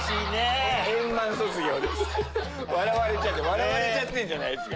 笑われちゃってんじゃないですか。